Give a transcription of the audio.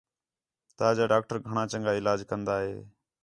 تا جا ڈاکٹر گھݨاں چَنڳا علاج کَندا ہے